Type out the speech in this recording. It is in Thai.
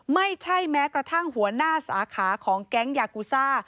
ไม่ใช่แม้กระทั่งหัวหน้าสาขาของแก๊งยากูซ่า